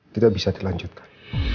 tidak bisa dilanjutkan